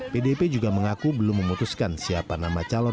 pdip juga mengaku belum memutuskan siapa nama calon